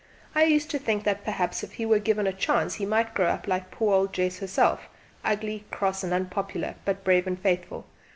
I used to think that perhaps if he were given a chance he might grow up like poor old Jess herself, ugly, cross and unpopular, but brave and faithful.